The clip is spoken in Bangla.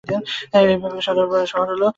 এই বিভাগের সদর শহর হল বারাণসী।